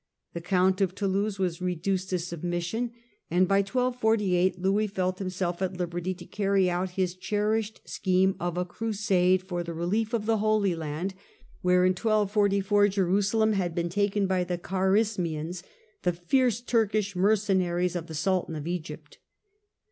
The Count of Toulouse was reduced to submission, and by 1248 Louis felt him self at liberty to carry out his cherished scheme of a Crusade for the relief of the Holy Land, where in 1.244 Jerusalem had been taken by the Charismians, the fierce Turkish mercenaries of the Sultan of Egypt.